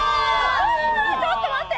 わっちょっと待って！